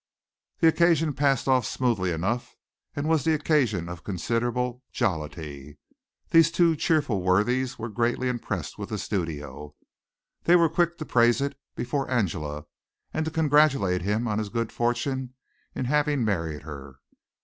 The occasion passed off smoothly enough and was the occasion of considerable jollity. These two cheerful worthies were greatly impressed with the studio. They were quick to praise it before Angela, and to congratulate him on his good fortune in having married her.